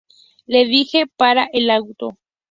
Le dije: "¡Para el auto!